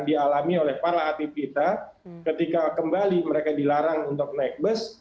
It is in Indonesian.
dialami oleh para atlet kita ketika kembali mereka dilarang untuk naik bus